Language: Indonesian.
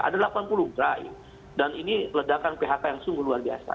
ada delapan puluh gerai dan ini ledakan phk yang sungguh luar biasa